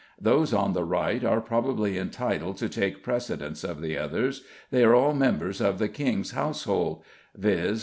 Those on the right are probably entitled to take precedence of the others, they are all members of the king's household viz.